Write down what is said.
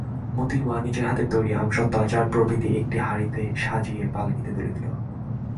মোতির মা নিজের হাতে তৈরি আমসত্ত্ব আচার প্রভৃতি একটা হাঁড়িতে সাজিয়ে পালকিতে তুলে দিলে।